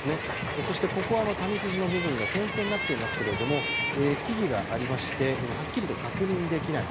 そして、谷筋の部分が点線になっていますけども木々がありましてはっきりと確認できない